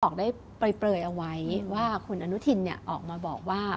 ขี้นี้บอกได้เปลยเอาไว้ว่าคุณอนุทินย์ออกมาบอกว่า